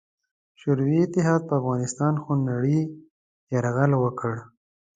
شوروي اتحاد پر افغانستان خونړې یرغل وکړ.